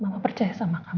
mama percaya sama kamu